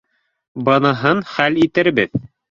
Быныһын хәл итербеҙ